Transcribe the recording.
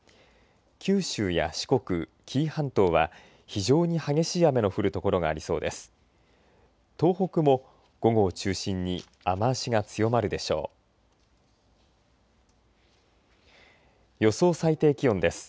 九州や四国紀伊半島は非常に激しい雨の降る所がありそうです。